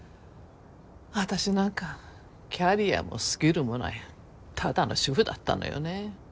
私なんかキャリアもスキルもないただの主婦だったのよね。